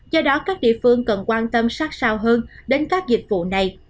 do đó các địa phương cần quan tâm sát sao hơn đến các dịch vụ này